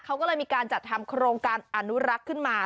เขาก็เลยมีการจัดทำโครงการอนุรักษ์ขึ้นมา